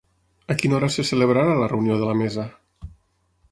A quina hora se celebrarà la reunió de la mesa?